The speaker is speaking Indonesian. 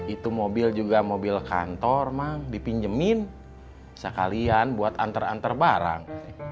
itu mobil juga mobil kantor mah dipinjemin sekalian buat antar antar barang